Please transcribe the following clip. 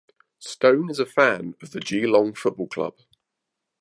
Stone is a fan of the Geelong Football Club.